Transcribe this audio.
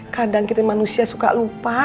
kadang kita manusia suka lupa